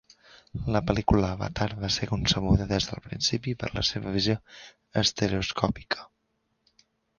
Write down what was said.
La pel·lícula Avatar va ser concebuda des del principi per la seva visió estereoscòpica.